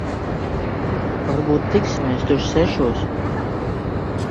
Varbūt tiksimies tur sešos?